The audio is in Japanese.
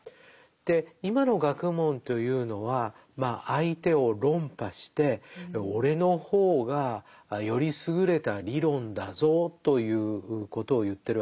で今の学問というのはまあ相手を論破して俺の方がより優れた理論だぞということを言ってるわけですね。